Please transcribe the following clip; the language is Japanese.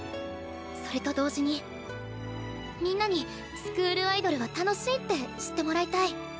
それと同時にみんなに「スクールアイドルは楽しい」って知ってもらいたい。